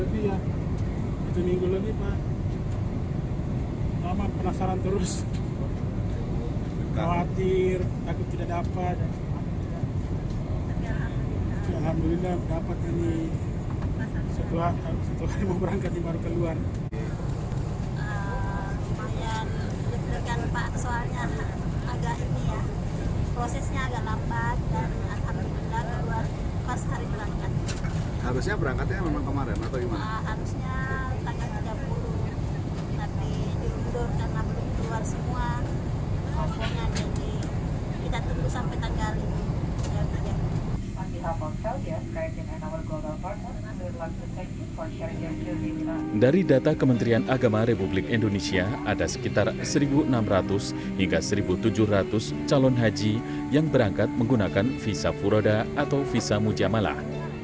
visa furoda atau visa mujamalah